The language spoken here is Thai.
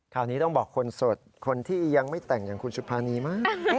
นี้ต้องบอกคนสดคนที่ยังไม่แต่งอย่างคุณสุภานีมาก